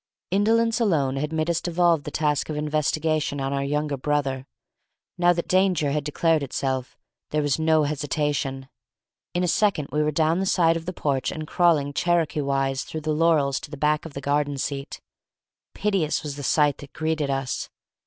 Indolence alone had made us devolve the task of investigation on our younger brother. Now that danger had declared itself, there was no hesitation. In a second we were down the side of the porch, and crawling Cherokee wise through the laurels to the back of the garden seat. Piteous was the sight that greeted us.